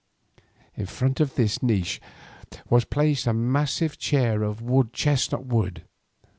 In front of this niche was placed a massive chair of chestnut wood.